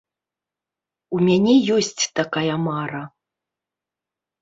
У мяне ёсць такая мара.